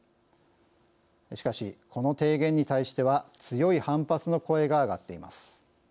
しかしこの提言に対しては強い反発の声が上がっています。